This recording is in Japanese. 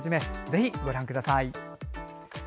ぜひ、ご覧ください。